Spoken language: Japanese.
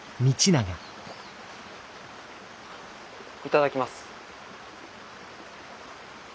頂きます。